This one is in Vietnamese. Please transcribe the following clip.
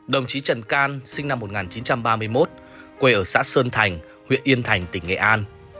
đồng chí trần can sinh năm một nghìn chín trăm ba mươi một quê ở xã sơn thành huyện yên thành tỉnh nghệ an